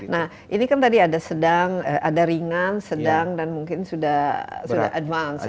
nah ini kan tadi ada sedang ada ringan sedang dan mungkin sudah advance